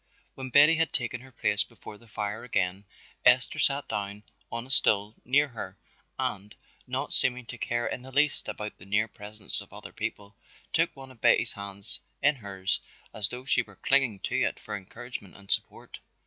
When Betty had taken her place before the fire again Esther sat down on a stool near her and, not seeming to care in the least about the near presence of other people, took one of Betty's hands in hers as though she were clinging to it for encouragement and support.